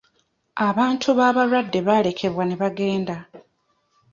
Abantu b'abalwadde baalekebwa ne bagenda.